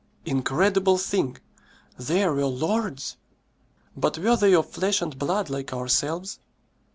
Incredible thing! There were lords! But were they of flesh and blood, like ourselves?